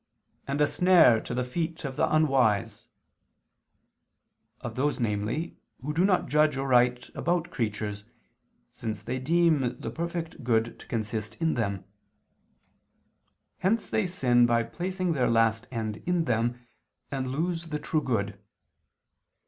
. and a snare to the feet of the unwise," of those, namely, who do not judge aright about creatures, since they deem the perfect good to consist in them. Hence they sin by placing their last end in them, and lose the true good.